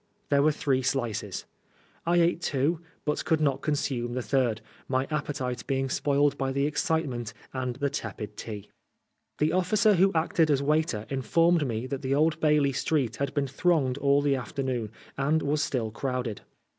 There were three slices. I ate two, but could not consume the third, my appetite being spoiled by excitement and the tepid tea. The officer who acted as waiter informed me that the Old Bailey Street had been thronged all the afternoon, and was still crowded.